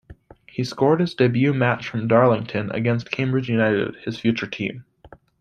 He scored in his debut match for Darlington, against Cambridge United, his future team.